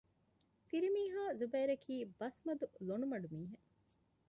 ފިރިމީހާ ޒުބައިރަކީ ބަސްމަދު ލޮނުމަޑު މީހެއް